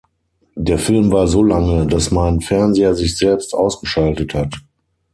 Der Film war so lange, dass mein Fernseher sich selbst ausgeschaltet hat.